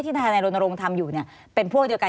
ที่ฐานไอนโรนโรงทำอยู่เนี่ยเป็นพวกเดียวกัน